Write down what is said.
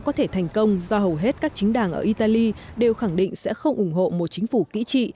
có thể thành công do hầu hết các chính đảng ở italy đều khẳng định sẽ không ủng hộ một chính phủ kỹ trị